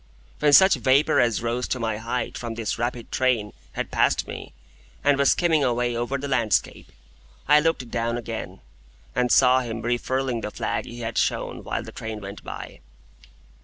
When such vapour as rose to my height from this rapid train had passed me, and was skimming away over the landscape, I looked down again, and saw him refurling the flag he had shown while the train went by.